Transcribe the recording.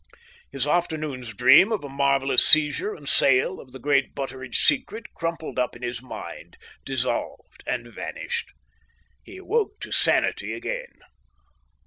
His afternoon's dream of a marvellous seizure and sale of the great Butteridge secret crumpled up in his mind, dissolved, and vanished. He awoke to sanity again.